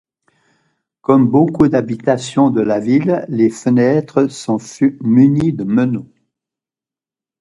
Comme beaucoup d'habitations de la ville, les fenêtres sont munies de meneaux.